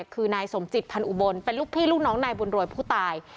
คือนายสมจิตพันอุบลเป็นลูกพี่ลูกน้องนายบุญรวยผู้ตาย